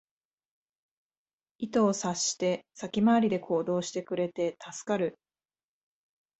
意図を察して先回りで行動してくれて助かる